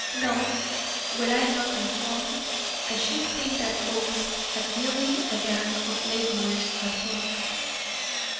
"No; were I not informed, I should think that Oakes had merely a gang of laborers at work."